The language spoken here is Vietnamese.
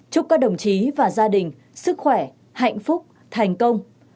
chúc các đồng chí và gia đình sức khỏe hạnh phúc thành công